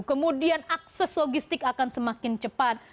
kemudian akses logistik akan semakin cepat